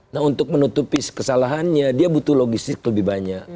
nah untuk menutupi kesalahannya dia butuh logistik lebih banyak